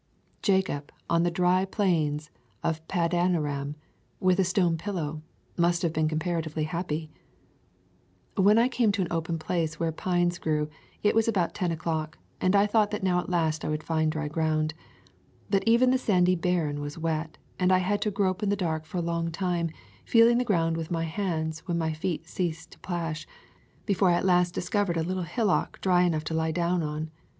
Jacob on the dry plains of Padan aram, with a stone pillow, must have been comparatively happy. When I came to an open place where pines grew, it was about ten o'clock, and I thought that now at last I would find dry ground. But even the sandy barren was wet, and I had to grope in the dark a long time, feeling the ground with my hands when my feet ceased to plash, before I at last discovered a little hillock dry enough to lie down on.